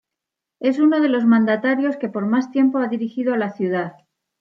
Es uno de los mandatarios que por más tiempo ha dirigido a la ciudad.